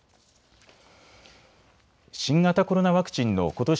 新型コロナワクチンのことし